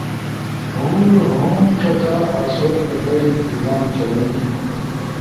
ہور ہم ڇکا آسو کدئی انتظام چلائی نی